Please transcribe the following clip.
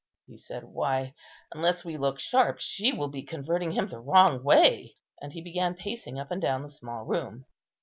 he said, "why, unless we look sharp, she will be converting him the wrong way;" and he began pacing up and down the small room.